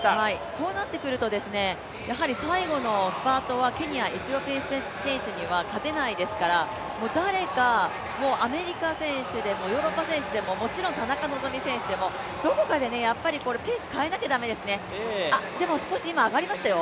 こうなってくると最後のスパートはケニアエチオピアの選手には勝てないですから、誰かアメリカ選手でもヨーロッパ選手でも、もちろん田中希実選手でもどこかでペース変えなきゃ駄目ですねあっ、でも少し今、上がりましたよ。